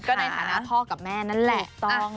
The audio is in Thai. ก็ในฐานะพ่อกับแม่นั่นแหละ